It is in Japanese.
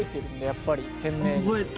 やっぱり鮮明に。